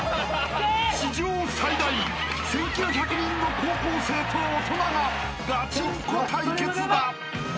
［史上最大１，９００人の高校生と大人がガチンコ対決だ！］